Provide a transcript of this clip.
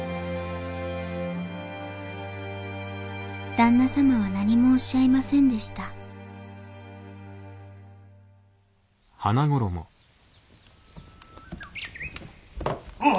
旦那様は何もおっしゃいませんでしたあ